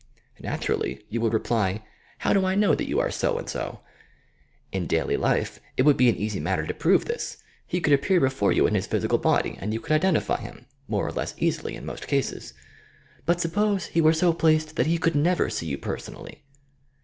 Naturally, you would reply, "How do I know that you are so and so T" In daily life, it would be an easy matter to prove this; he could appear before you ui his phyaieal body and you could identify him, — more or leas easily in most cases. But suppose he were so placed that he could never see you personally.